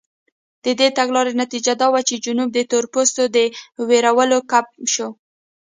د دې تګلارې نتیجه دا وه چې جنوب د تورپوستو د وېرولو کمپ شو.